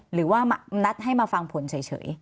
หรือว่านัดให้มาฟังผลเฉย